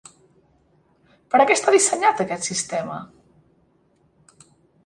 Per a què està dissenyat aquest sistema?